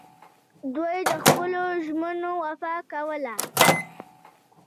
دوی د خپلو ژمنو وفا کوله